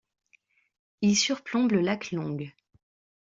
Il surplombe le lac Long.